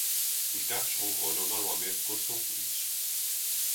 Os gatos ronronam normalmente quando estão felizes.